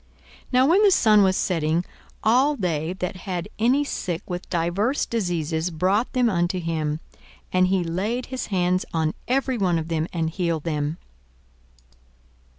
42:004:040 Now when the sun was setting, all they that had any sick with divers diseases brought them unto him; and he laid his hands on every one of them, and healed them.